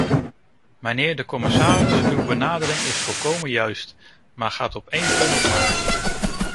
Mijnheer de commissaris, uw benadering is volkomen juist, maar gaat op één punt mank.